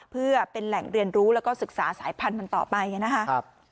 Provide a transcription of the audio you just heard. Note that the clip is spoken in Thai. เพื่อเป็นแหล่งเรียนรู้แล้วก็ศึกษาสายพันธุ์มันต่อไปนะครับ